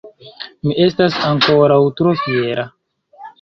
Mi estas ankoraŭ tro fiera!